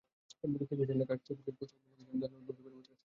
হৃতিক রোশনের কাইটস ছবির পোস্টার মিলে গেছে দ্য নোটবুক ছবির পোস্টারের সঙ্গে।